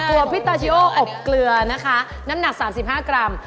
พี่ตาชิโออบเกลือนะคะน้ำหนัก๓๕กรัม